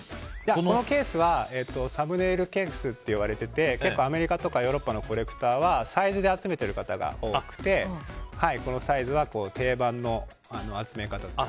このケースはサムネイルケースっていわれてて結構アメリカとかヨーロッパのコレクターはサイズで集めている方が多くて、このサイズは定番の集め方というか。